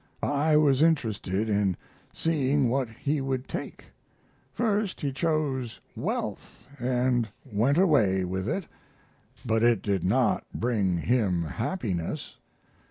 I was interested in seeing what he would take. First he chose wealth and went away with it, but it did not bring him happiness.